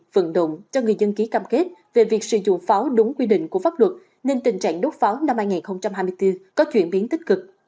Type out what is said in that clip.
vận động cho người dân ký cam kết về việc sử dụng pháo đúng quy định của pháp luật nên tình trạng đốt pháo năm hai nghìn hai mươi bốn có chuyển biến tích cực